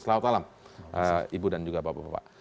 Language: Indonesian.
selamat malam ibu dan juga bapak bapak